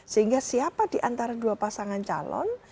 sehingga siapa diantara dua pasangan calon